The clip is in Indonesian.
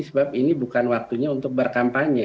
sebab ini bukan waktunya untuk berkampanye